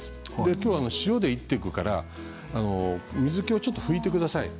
今日は塩で炒っていくので水けをちょっと拭いてください。